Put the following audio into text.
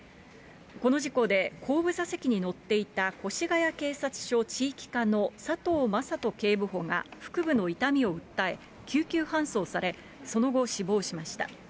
この事故で後部座席に乗っていた越谷警察署地域課の佐藤正人警部補が腹部の痛みを訴え、救急搬送され、その後、死亡しました。